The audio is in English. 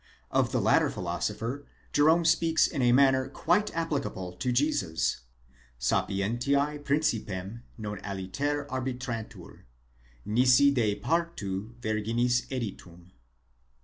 Of the latter philosopher Jerome speaks in a manner quite applicable to Jesus: sapientiz principem non aliter arbitrantur, nisi de . partu virginis editum.